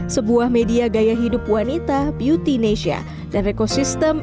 sebuah media gaya hidup wanita beautynesia dan rekosistem